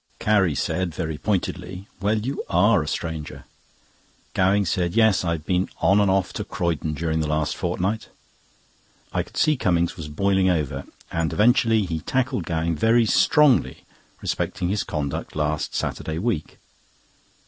Carrie said very pointedly: "Well, you are a stranger." Gowing said: "Yes, I've been on and off to Croydon during the last fortnight." I could see Cummings was boiling over, and eventually he tackled Gowing very strongly respecting his conduct last Saturday week.